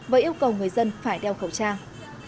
và yêu cầu người dân phải đeo khẩu trang